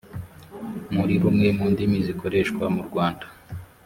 muri rumwe mu ndimi zikoreshwa mu rwanda